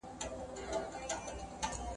د کلي د پخوانیو ونو پاڼې په باد کې رپېدې.